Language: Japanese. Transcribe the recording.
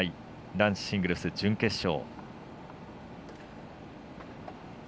男子シングルス準決勝。